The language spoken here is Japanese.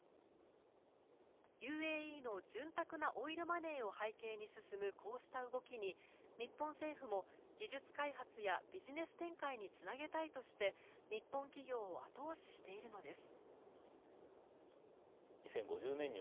ＵＡＥの潤沢なオイルマネーを背景に進むこうした動きに、日本政府も技術開発やビジネス展開につなげたいとして日本企業を後押ししているのです。